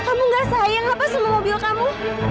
kamu gak sayang apa semua mobil kamu